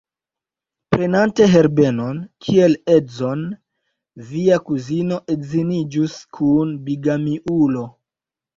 Prenante Herbenon kiel edzon, via kuzino edziniĝus kun bigamiulo.